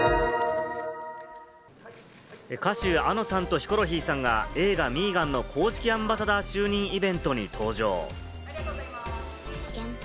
歌手・あのさんとヒコロヒーさんが映画『Ｍ３ＧＡＮ／ミーガン』の公式アンバサダー就任イベントに登場。